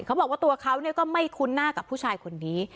เขาบอกว่าตัวเขาก็ไม่คุ้นหน้ากับผู้ชายคนนี้